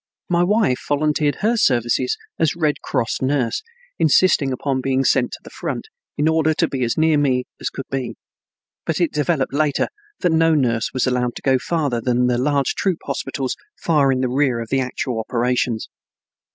My wife volunteered her services as Red Cross nurse, insisting upon being sent to the front, in order to be as near me as could be, but it developed later that no nurse was allowed to go farther than the large troop hospitals far in the rear of the actual operations.